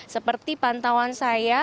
seperti pantauan saya